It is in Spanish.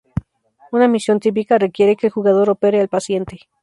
Una misión típica requiere que el jugador opere al paciente.